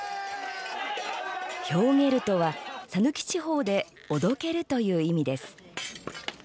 ひょうげるとは讃岐地方でおどけるという意味です。